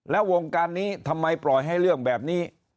แล้ววงการนี้ทำไมปล่อยให้เรื่องแบบนี้